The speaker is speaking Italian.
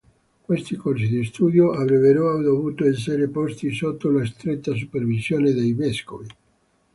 Questi corsi di studio avrebbero dovuto essere posti sotto la stretta supervisione dei vescovi.